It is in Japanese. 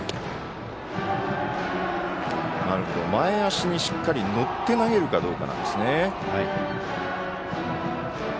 前足にしっかり乗って投げるかどうかなんですね。